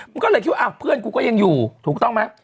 มันก็เลยคิดว่าเพื่อนกูก็ยังอยู่ถูกต้องไหม